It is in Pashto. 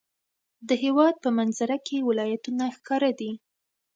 د هېواد په منظره کې ولایتونه ښکاره دي.